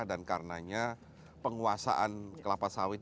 dan karenanya penguasaan kelapa sawit